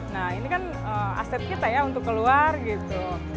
nah ini kan aset kita ya untuk keluar gitu